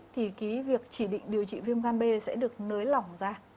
thì cái việc chỉ định điều trị viêm gan b sẽ được nới lỏng ra